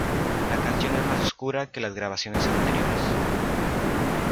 La canción es más oscura que las grabaciones anteriores.